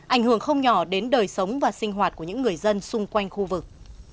ảnh hưởng không nhỏ đến đời sống và sinh hoạt của những người dân xung quanh khu vực